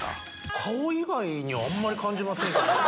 顔以外には、あんまり感じませんけど。